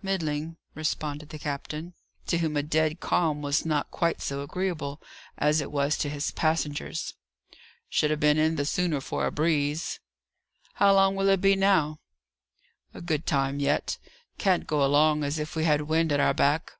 "Middling," responded the captain, to whom a dead calm was not quite so agreeable as it was to his passengers. "Should ha' been in all the sooner for a breeze." "How long will it be, now?" "A good time yet. Can't go along as if we had wind at our back."